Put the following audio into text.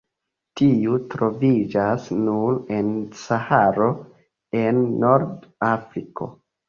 Tiu troviĝas nur en Saharo en Nord-Afriko.